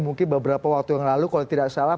mungkin beberapa waktu yang lalu kalau tidak salah